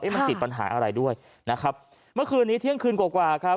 มันติดปัญหาอะไรด้วยนะครับเมื่อคืนนี้เที่ยงคืนกว่ากว่าครับ